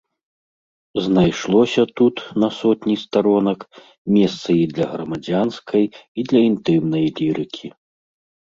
Знайшлося тут, на сотні старонак, месца і для грамадзянскай і для інтымнай лірыкі.